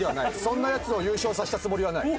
そんなヤツを優勝させたつもりはない。